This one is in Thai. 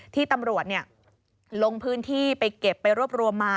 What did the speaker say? ที่ตำรวจลงพื้นที่ไปเก็บไปรวบรวมมา